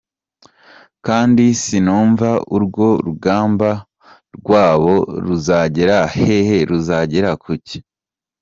kandi sinumva urwo rugamba rwabo ruzagera hehe, ruzagera kuki?".